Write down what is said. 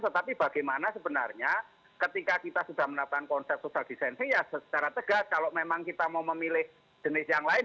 tetapi bagaimana sebenarnya ketika kita sudah menerapkan konsep social distancing ya secara tegas kalau memang kita mau memilih jenis yang lain